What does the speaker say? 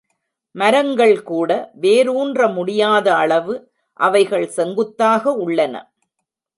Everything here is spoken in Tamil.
மரங்கள்கூட வேர் ஊன்ற முடியாத அளவு அவைகள் செங்குத்தாக உள்ளன.